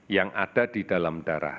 yang ada di dalam darah